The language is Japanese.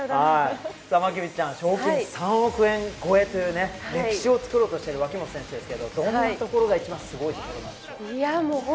賞金３億円超えという歴史を作ろうとしてる脇本選手、どんなところが一番すごいところなんでしょうか？